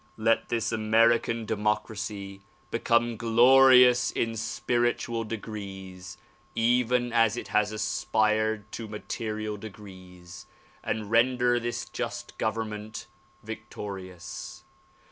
Let this American democracy become glorious in spiritual degrees even as it has aspired to material degrees, and render this just government \'ictorious.